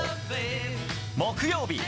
木曜日